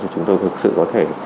chúng tôi thực sự có thể